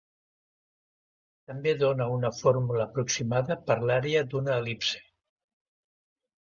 També dona una fórmula aproximada per l'àrea d'una el·lipse.